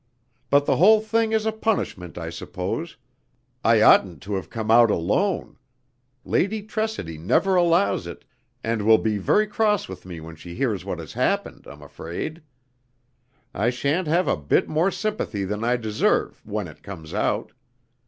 But the whole thing is a punishment, I suppose. I oughtn't to have come out alone. Lady Tressidy never allows it, and will be very cross with me when she hears what has happened, I'm afraid. I shan't have a bit more sympathy than I deserve, when it comes out.